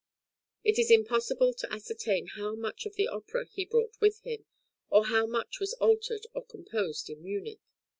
It is impossible to ascertain how much of the opera he brought with him, or how much was altered or composed in Munich.